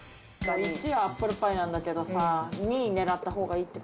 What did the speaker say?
１位はアップルパイなんだけどさ、２位ねらった方がいいよね。